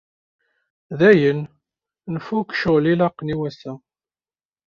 Dayen, nfukk ccɣel ilaqen i wassa.